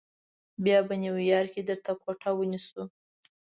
بیا به نیویارک کې درته کوټه ونیسو.